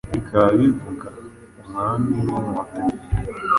Bikaba bivuga “Umwami w’Inkotanyi”.